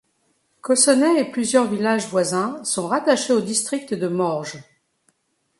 Cossonay et plusieurs villages voisins sont rattachés au district de Morges.